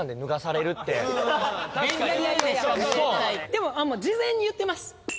でも事前に言ってます。